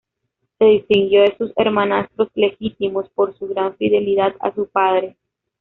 Se distinguió de sus hermanastros legítimos por su gran fidelidad a su padre.